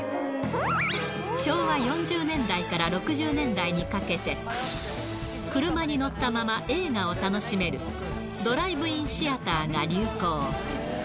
昭和４０年代から６０年代にかけて、車に乗ったまま映画を楽しめる、ドライブインシアターが流行。